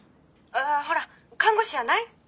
ああほら看護師やない？